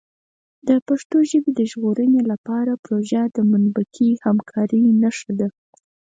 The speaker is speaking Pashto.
د پښتو ژبې د ژغورنې لپاره پروژه د مثبتې همکارۍ نښه ده.